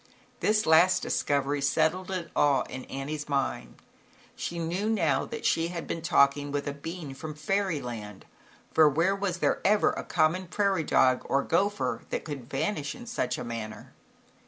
This last discovery settled it all in Annie's mind, she knew now that she had been talking with a being from Fairyland, for where was there ever a common prairie dog or gopher that could vanish in such a manner?